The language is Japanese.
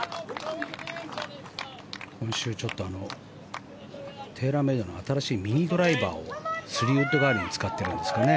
今週、ちょっとテーラーメイドの新しいミニドライバーを３ウッド代わりに使ってるんですかね。